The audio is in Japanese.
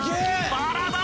バラだ！